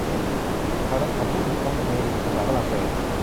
จากนั้นเขาพูดอีกครั้งกับเฮลีนเป็นภาษาฝรั่งเศส